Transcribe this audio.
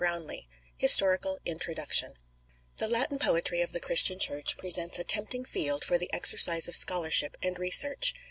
154 HISTORICAL INTRODUCTION The Latin poetry of the Christian Church presents a tempting field for the exercise of scholarship and research.